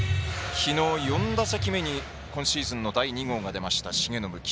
きのう４打席目に今シーズン第２号が出ました重信。